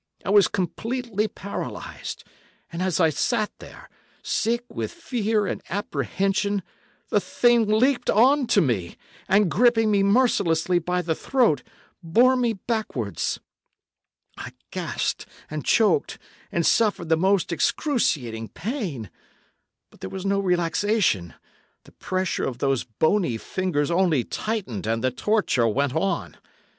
I was completely paralysed, and as I sat there, sick with fear and apprehension, the thing leaped on to me, and, gripping me mercilessly by the throat, bore me backwards. I gasped, and choked, and suffered the most excruciating pain. But there was no relaxation—the pressure of those bony fingers only tightened and the torture went on.